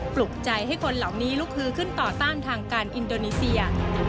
ปลุกใจให้คนเหล่านี้ลุกฮือขึ้นต่อต้านทางการอินโดนีเซีย